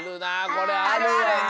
これあるわ。